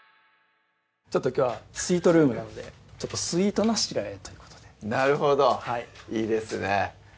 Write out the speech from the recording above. きょうはスイートルームなのでスイートな白和えということでなるほどいいですね